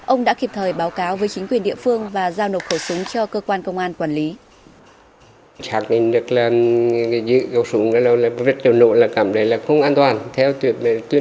ông đã kịp thời báo cáo với chính quyền địa phương và giao nộp khẩu súng cho cơ quan công an quản lý